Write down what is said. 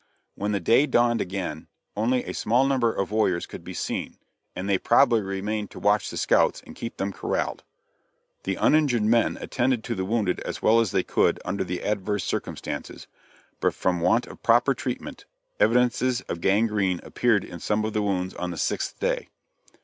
When the day dawned again, only a small number of warriors could be seen, and they probably remained to watch, the scouts and keep them corraled. The uninjured men attended to the wounded as well as they could under the adverse circumstances, but from want of proper treatment, evidences of gangrene appeared in some of the wounds on the sixth day.